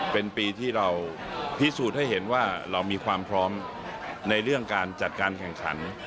เป็นปีที่เราพิสูจน์ให้เห็นว่าเรามีความพร้อมในเรื่องการจัดการแข่งขัน